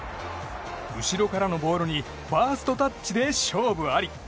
後ろからのボールにファーストタッチで勝負あり。